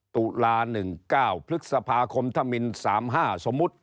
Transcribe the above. ตุลา๑๙พฤษภาคมธมิน๓๕สมมุติ